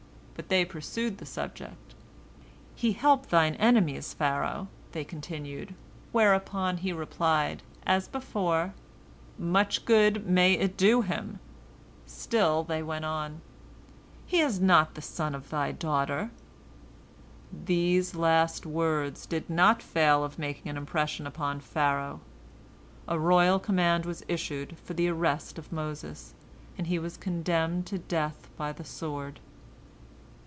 But they pursued the subject. "He helps thine enemies, Pharaoh," they continued, whereupon he replied, as before, "Much good may it do him!" Still they went on, "He is not the son of thy daughter." These last words did not fail of making an impression upon Pharaoh. A royal command was issued for the arrest of Moses, and he was condemned to death by the sword.